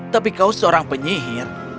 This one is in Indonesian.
tapi kau seorang penyihir